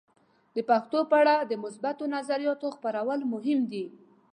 د پښتو په اړه د مثبتو نظریاتو خپرول مهم دي.